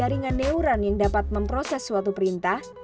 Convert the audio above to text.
jaringan neuran yang dapat memproses suatu perintah